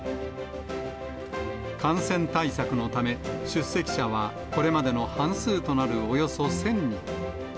感染対策のため、出席者はこれまでの半数となるおよそ１０００人。